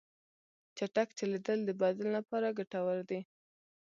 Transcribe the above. چټک چلیدل د بدن لپاره ګټور دي.